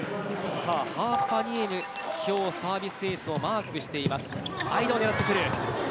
ハーパニエミ、今日はサービスエースをマークしています。